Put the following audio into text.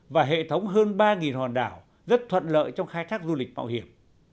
và hệ thống hơn ba hòn đảo rất thuận lợi trong khai thác du lịch mạo hiểm